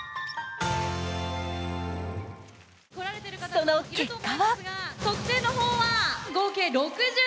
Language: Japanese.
その結果は？